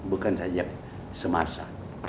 bukan hanya semasa